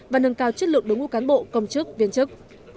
và nâng cao chất lượng đối ngũ cán bộ công chức viên chức